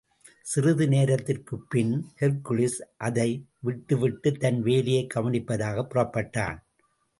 சிறிது நேரத்திற்குப்பின், ஹெர்க்குலிஸ் அதை, விட்டு விட்டுத் தன் வேலையைக் கவனிப்பததற்காகப் புறப்பட்டான்.